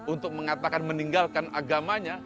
untuk mengatakan meninggalkan agamanya